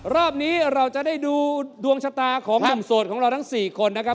รอบนี้เราจะได้ดูดวงชะตาของหนุ่มโสดของเราทั้ง๔คนนะครับ